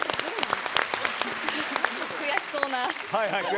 悔しそうな表情。